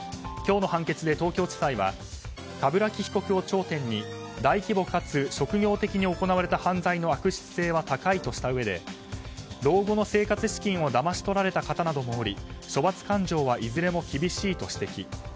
今日の判決で東京地裁は鏑木被告を挑戦に大規模かつ職業的に行われた犯罪の罪は重いとし老後の生活資金をだまし取られた方などもあり処罰感情はいずれも厳しいと指摘。